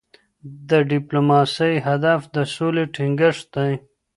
د ډيپلوماسۍ هدف د سولې ټینګښت دی.